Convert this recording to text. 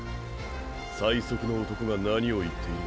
最速の男が何を言っている。